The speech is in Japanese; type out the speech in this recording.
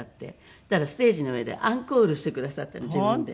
そしたらステージの上でアンコールしてくださったの自分で。